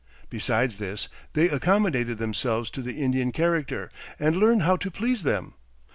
Besides this, they accommodated themselves to the Indian character, and learned how to please them.